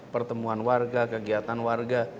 pertemuan warga kegiatan warga